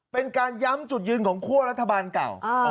เป็นการย้ำจุดยืนของคั่วรัฐบาลเก่า